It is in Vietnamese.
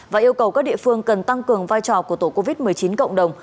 và yêu cầu các địa phương cần tăng cường vai trò của tổ covid một mươi chín cộng đồng